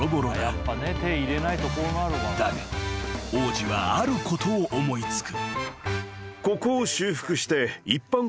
［だが王子はあることを思い付く］